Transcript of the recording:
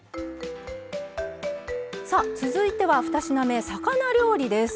さあ続いては２品目魚料理です。